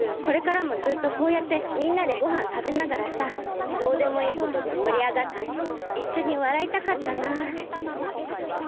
これからもずっとこうやってみんなでごはんたべながらさどうでもいいことでもりあがっていっしょにわらいたかったな。